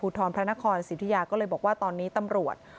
ทรพระนครสิทธิยาก็เลยบอกว่าตอนนี้ตำรวจ